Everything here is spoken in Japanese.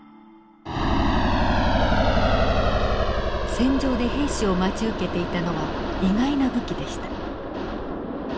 戦場で兵士を待ち受けていたのは意外な武器でした。